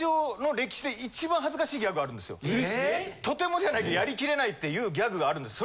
とてもじゃないけどやりきれないっていうギャグがあるんです。